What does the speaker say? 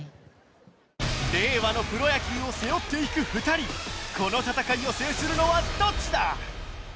令和のプロ野球を背負っていく２人この戦いを制するのはどっちだ！？